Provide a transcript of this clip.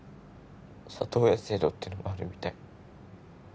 里親制度ってのもあるみたい